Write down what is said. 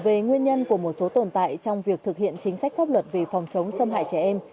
về nguyên nhân của một số tồn tại trong việc thực hiện chính sách pháp luật về phòng chống xâm hại trẻ em